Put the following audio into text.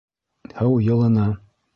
Һыу йылыны